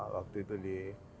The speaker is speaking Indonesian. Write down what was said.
waktu itu di